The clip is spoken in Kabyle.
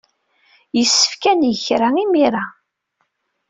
Yessefk ad neg kra imir-a.